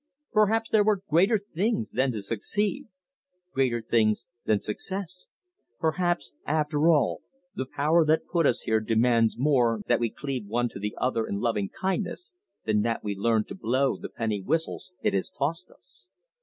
Perhaps there were greater things than to succeed, greater things than success. Perhaps, after all, the Power that put us here demands more that we cleave one to the other in loving kindness than that we learn to blow the penny whistles it has tossed us.